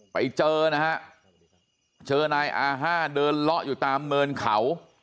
ไปเจอนะฮะเจอนายอาห้าเดินเลาะอยู่ตามเนินเขา